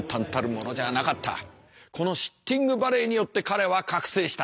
このシッティングバレーによって彼は覚醒した。